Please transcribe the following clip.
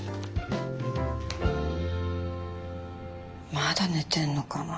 まだ寝てんのかなぁ。